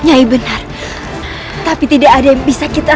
apakah kau entregasi makanan